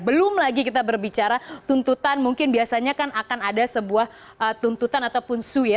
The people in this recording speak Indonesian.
belum lagi kita berbicara tuntutan mungkin biasanya kan akan ada sebuah tuntutan ataupun sue ya